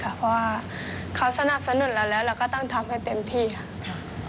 เพราะว่าเขาสนับสนุนเราแล้วเราก็ต้องทำให้เต็มที่ค่ะ